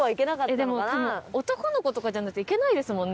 でも多分男の子とかじゃないといけないですもんね